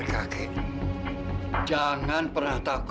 kau kan merok